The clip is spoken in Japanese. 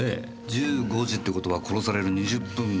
「１５時」って事は殺される２０分前。